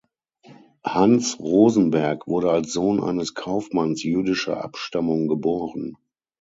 Hans Rosenberg wurde als Sohn eines Kaufmanns jüdischer Abstammung geboren.